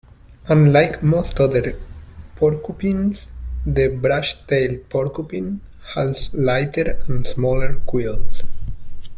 Unlike most other porcupines, the brush-tailed porcupine has lighter and smaller quills.